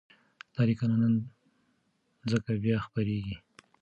دا لیکنه نن ځکه بیا خپرېږي،